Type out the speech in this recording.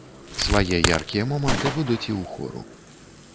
Свае яркія моманты будуць і ў хору.